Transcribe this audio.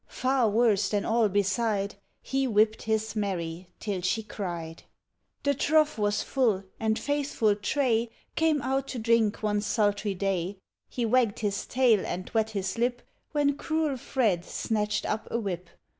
far worse than all beside. He whipped his Mary, till she cried. The trough was full, and faithful Tray Came out to drink one sultry day; He wagged his tail, and wet his lip, When cruel Fred snatched up a whip.